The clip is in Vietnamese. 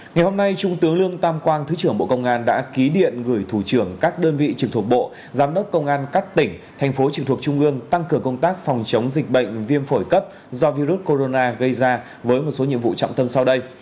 ngày hôm nay trung tướng lương tam quang thứ trưởng bộ công an đã ký điện gửi thủ trưởng các đơn vị trực thuộc bộ giám đốc công an các tỉnh thành phố trực thuộc trung ương tăng cường công tác phòng chống dịch bệnh viêm phổi cấp do virus corona gây ra với một số nhiệm vụ trọng tâm sau đây